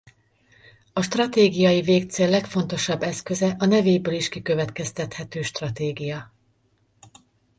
A stratégiai végcél legfontosabb eszköze a nevéből is kikövetkeztethető stratégia.